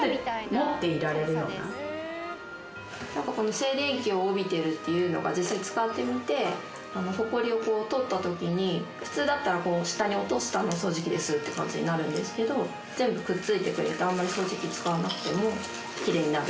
静電気を帯びているっていうのが実際使ってみてホコリを取った時に普通だったら下に落としたのを掃除機で吸うっていう感じになるんですけど全部くっついてくれてあんまり掃除機使わなくてもキレイになる。